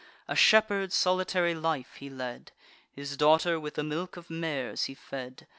A shepherd's solitary life he led; His daughter with the milk of mares he fed.